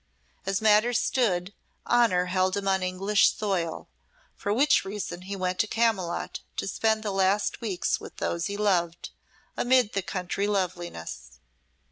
As matters stood, honour held him on English soil, for which reason he went to Camylott to spend the last weeks with those he loved, amid the country loveliness.